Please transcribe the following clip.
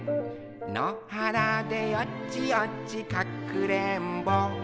のはらでよちよちかくれんぼ」